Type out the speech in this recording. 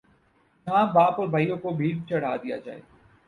جہاں باپ اور بھائیوں کو بھینٹ چڑھا دیا جاتا ہے۔